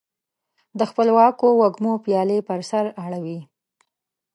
د خپلواکو وږمو پیالي پر سر اړوي